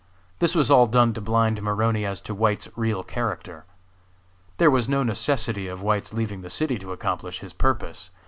This was all done to blind Maroney as to White's real character. There was no necessity of White's leaving the city to accomplish his purpose.